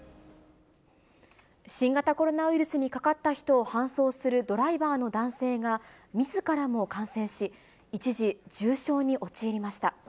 新型コロナウイルスにかかった人を搬送するドライバーの男性が、みずからも感染し、一時、重症に陥りました。